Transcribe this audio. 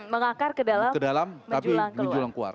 mengakar ke dalam tapi menjulang keluar